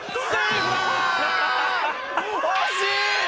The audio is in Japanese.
惜しい！」